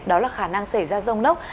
đó là khả năng xảy ra rông nốc